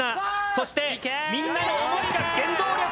そしてみんなの想いが原動力。